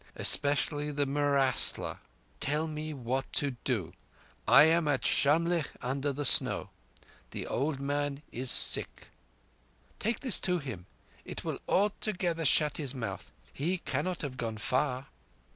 Especially the murasla. Tell me what to do. I am at Shamlegh under the Snow. The old man is sick._" "Take this to him. It will altogether shut his mouth. He cannot have gone far."